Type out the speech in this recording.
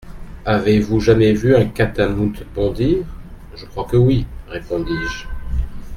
Avez-vous jamais vu un catamount bondir ? Je crois que oui, répondis-je.